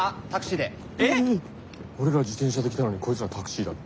俺ら自転車で来たのにこいつらタクシーだって。